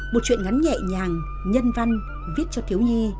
một chuyện ngắn nhẹ nhàng nhân văn viết cho thiếu nhi